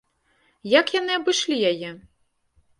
Як яны абышлі яе?